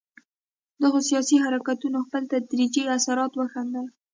دغو سیاسي حرکتونو خپل تدریجي اثرات وښندل.